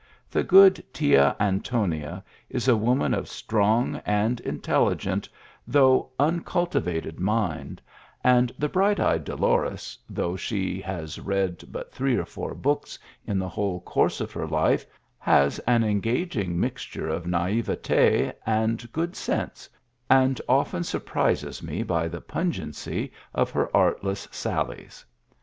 The good Tia Antonia is a woman of strong and intelligent, though uncultivated mind, and the bright eyed Dolores, though she has read but three or four books in the whole course of her life, has an engaging mixture of naivete and good sense, and often surprises me by the pungency of her artless sallies.